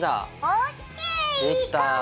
ＯＫ。